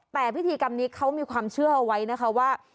แต่พิธีกรรมนี้เขามีความเชื่อเอาไว้นะคะว่า